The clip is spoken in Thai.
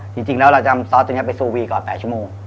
จริงแล้วเราจะนำซอสตัวนี้ไปซูวีก่อน๘ชั่วโมง